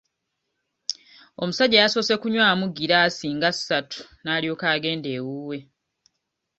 Omusajja yasoose kunywaamu giraasi nga ssatu n'alyoka agenda ewuwe.